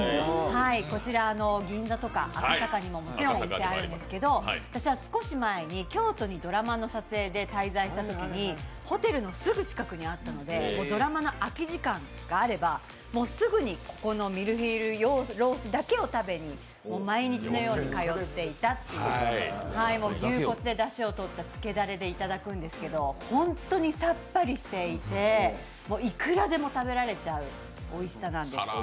こちら、銀座とか赤坂にもあるんですけど、私は少し前に京都にドラマの撮影で滞在したときにホテルのすぐ近くにあったので、ドラマの空き時間があれば、すぐにここのミルフィーユロースだけを食べに毎日のように通っていたという牛骨でだしをとったつけだれでいただくんですけど、本当にさっぱりしていていくらでも食べられちゃうおいしさなんです。